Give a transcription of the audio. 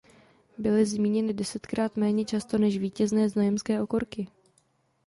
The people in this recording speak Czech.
Byly zmíněny desetkrát méně často než vítězné znojemské okurky.